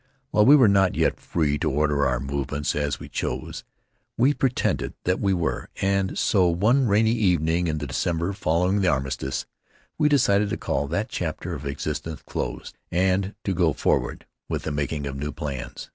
While we were not yet free to order our movements as we chose, we pretended that we were, and so one rainy evening in the December following the armistice we decided to call that chapter of experience closed and to go forward with the making of new plans.